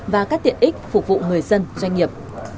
và các tiện ích phục vụ người dân doanh nghiệp